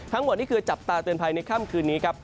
ทั้งหมดนี่คือจับตาเตือนภัยในค่ำคืนนี้ครับ